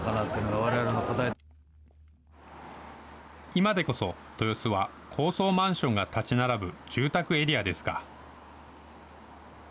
今でこそ豊洲は高層マンションが建ち並ぶ住宅エリアですが。